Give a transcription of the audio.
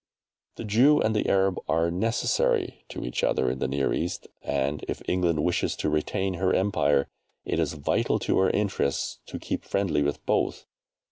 The Jew and the Arab are necessary to each other in the Near East, and if England wishes to retain her Empire it is vital to her interests to keep friendly with both.